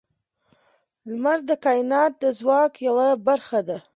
• لمر د کائنات د ځواک یوه برخه ده.